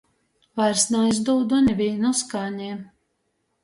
Vairs naizdūdu nivīnu skani.